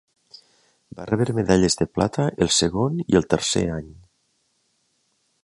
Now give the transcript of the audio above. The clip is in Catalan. Va rebre medalles de plata el segon i el tercer any.